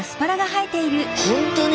本当に？